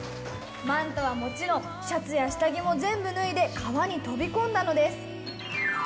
マントはもちろん、シャツや下着も全部脱いで川に飛び込んだのです。